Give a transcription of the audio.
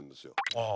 ああ。